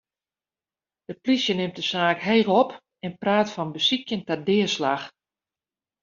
De plysje nimt de saak heech op en praat fan besykjen ta deaslach.